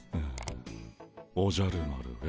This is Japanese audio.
「おじゃる丸へ」